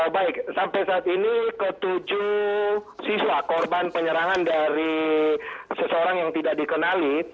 baik sampai saat ini ketujuh siswa korban penyerangan dari seseorang yang tidak dikenali